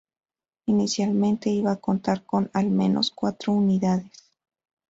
Inicialmente iba a contar con al menos cuatro unidades.